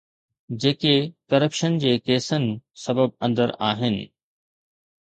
جيڪي ڪرپشن جي ڪيسن سبب اندر آهن.